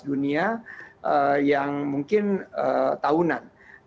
dan yang memiliki keuntungan yang berkualitas